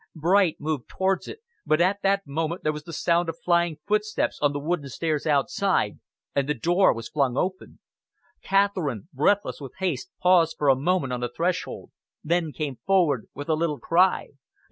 Bright moved towards it, but at that moment there was the sound of flying footsteps on the wooden stairs outside, and the door was flung open. Catherine, breathless with haste, paused for a moment on the threshold, then came forward with a little cry.